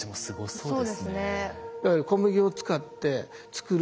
そうですね。